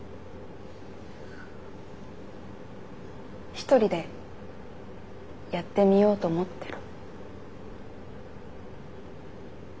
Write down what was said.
一人でやってみようと思ってる。